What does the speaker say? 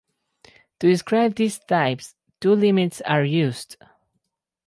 To describe these types two limits are used.